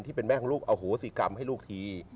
ที่เป็นแม่ของลูกอโหสิกรรมให้ลูกที